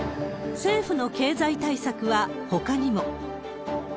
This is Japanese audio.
政府の経済対策はほかにも。